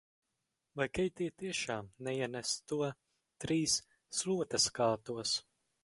"Vai Keitija tiešām neienesa to "Trīs slotaskātos"?"